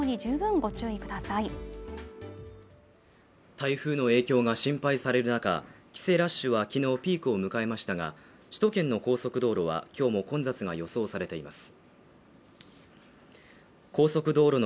台風の影響が心配される中帰省ラッシュは昨日ピークを迎えましたが首都圏の高速道路はきょうも混雑が予想されています